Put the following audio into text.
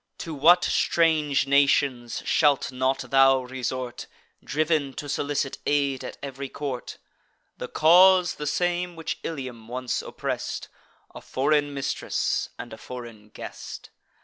To what strange nations shalt not thou resort, Driv'n to solicit aid at ev'ry court! The cause the same which Ilium once oppress'd; A foreign mistress, and a foreign guest.